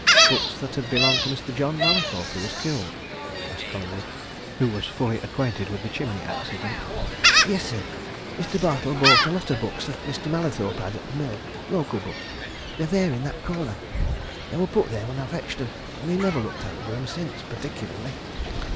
"Books that had belonged to Mr. John Mallathorpe, who was killed?" asked Collingwood, who was fully acquainted with the chimney accident. "Yes, sir, Mr. Bartle bought a lot of books that Mr. Mallathorpe had at the Mill local books. They're there in that corner: they were put there when I fetched them, and he'd never looked over them since, particularly."